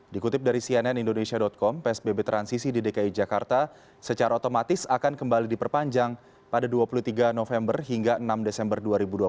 dikutip dari cnn indonesia com psbb transisi di dki jakarta secara otomatis akan kembali diperpanjang pada dua puluh tiga november hingga enam desember dua ribu dua puluh